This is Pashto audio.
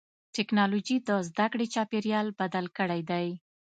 ټکنالوجي د زدهکړې چاپېریال بدل کړی دی.